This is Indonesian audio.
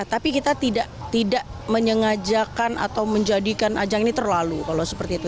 tapi kita tidak menyengajakan atau menjadikan ajang ini terlalu kalau seperti itu